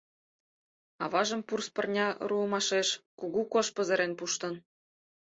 Аважым пурс пырня руымашеш кугу кож пызырен пуштын.